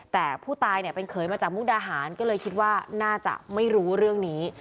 แต่ผู้ตายเนี่ยเป็นเขยมาจากมุกดาหารก็เลยคิดว่าน่าจะไม่รู้เรื่องนี้